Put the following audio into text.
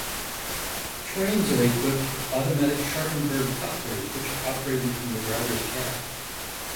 Trains are equipped with automatic Scharfenberg couplers which are operated from the driver's cab.